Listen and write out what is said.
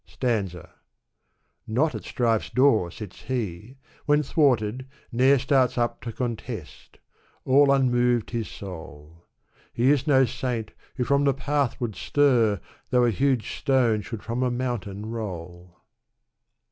SAinza, Not at strife's door sits he ; when thwarted, ne'er Starts up to contest ; all unmoved his soul. He is no saint who from the path would stir. Though a huge stone should from a mountain roll.